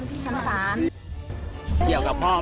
ไม่ได้มีเจตนาที่จะเล่ารวมหรือเอาทรัพย์ของคุณ